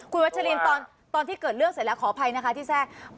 คุณวัชลินตอนที่เกิดเรื่องเสร็จแล้วขออภัยนะคะที่แทรก